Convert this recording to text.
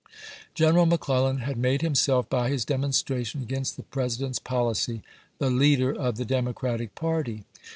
General Mc Clellan had made himself, by his demonstration against the President's policy, the leader of the Democratic party.